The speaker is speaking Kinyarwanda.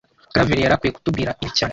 Karaveri yari akwiye kutubwira ibi cyane